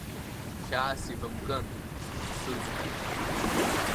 Хьаас ибымкын, сыӡӷаб…